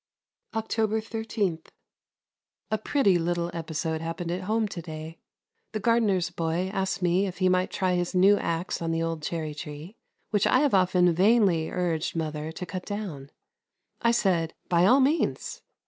October 13. A pretty little episode happened at home to day. The gardener's boy asked me if he might try his new axe on the old cherry tree, which I have often vainly urged mother to cut down. I said, "By all means."